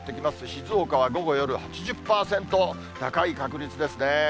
静岡は午後、夜、８０％、高い確率ですね。